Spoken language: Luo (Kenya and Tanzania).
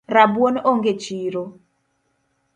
Rabuon onge echiro